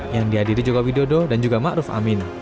yang dihadiri jokowi dodo dan juga ma'ruf amin